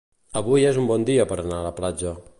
Avui és un bon dia per anar a la platja.